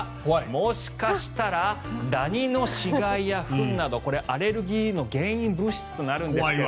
もしかしたらダニの死骸やフンなどこれ、アレルギーの原因物質となるんです。